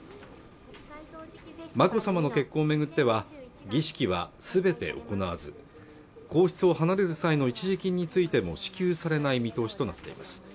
眞子さまの結婚をめぐっては儀式は全て行わず皇室を離れる際の一時金についても支給されない見通しとなっています